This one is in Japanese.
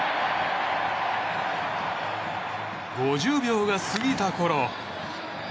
５０秒が過ぎたころ。